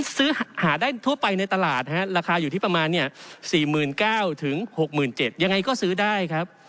ซื้อหาได้ทั่วไปในตลาดราคาอยู่ที่ประมาณ๔๙๐๐๖๗๐๐ยังไงก็ซื้อได้ครับ